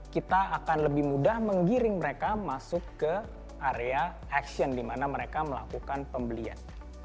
kita akan lebih mudah menggiring mereka masuk ke area action di mana mereka melakukan pembelian